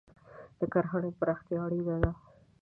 د کرهنې پراختیا اړینه ده.